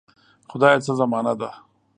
خدایه څه زمانه ده.